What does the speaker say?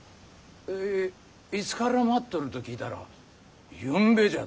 えいつから待っとると聞いたらゆんべじゃと。